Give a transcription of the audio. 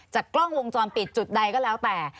กล้องวงจรปิดจุดใดก็แล้วแต่